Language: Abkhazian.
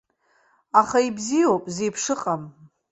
Аха ибзиоуп, зеиԥшыҟам!